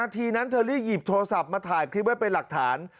ทีนั้นเธอรีบหยิบโทรศัพท์มาถ่ายคลิปไว้เป็นหลักฐาน